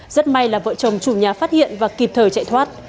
rất may là vợ chồng chủ nhà phát hiện và kịp thời chạy thoát